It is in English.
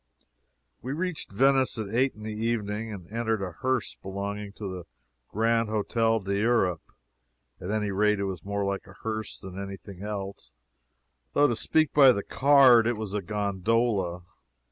We reached Venice at eight in the evening, and entered a hearse belonging to the Grand Hotel d'Europe. At any rate, it was more like a hearse than any thing else, though to speak by the card, it was a gondola.